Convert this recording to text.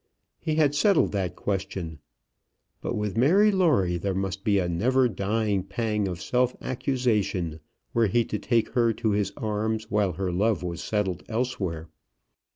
He had settled that question. But with Mary Lawrie there must be a never dying pang of self accusation, were he to take her to his arms while her love was settled elsewhere.